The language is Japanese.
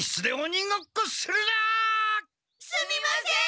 すみません！